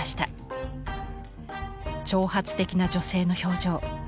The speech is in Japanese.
挑発的な女性の表情。